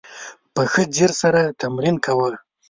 ښه په ځیر سره تمرین کوه !